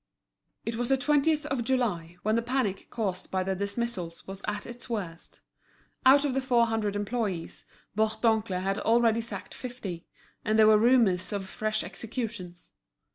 It was the twentieth of July, when the panic caused by the dismissals was at its worst. Out of the four hundred employees, Bourdoncle had already sacked fifty, and there were rumours of fresh executions.